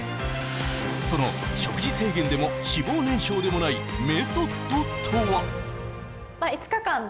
その食事制限でも脂肪燃焼でもないメソッドとは？